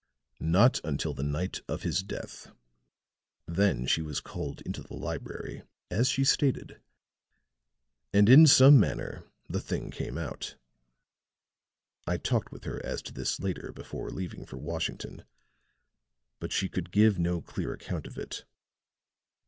"Not until the night of his death. Then she was called into the library, as she stated, and in some manner the thing came out. I talked with her as to this later before leaving for Washington, but she could give no clear account of it.